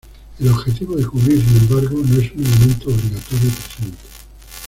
El objetivo de cubrir sin embargo no es un elemento obligatorio presente.